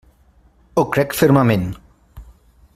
Ho crec fermament.